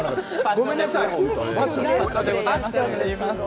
ごめんなさい。